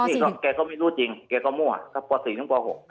นี่แกก็ไม่รู้จริงแกก็มั่วครับป๔ถึงป๖